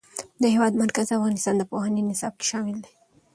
د هېواد مرکز د افغانستان د پوهنې نصاب کې شامل دی.